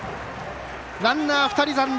ランナー、２人残塁。